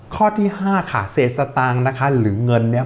ข้อที่ห้าค่ะเศษสตางค์นะคะหรือเงินเนี่ย